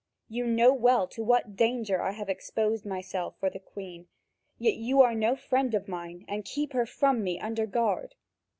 You know well to what danger I have exposed myself for the Queen; yet, you are no friend of mine and keep her from me under guard.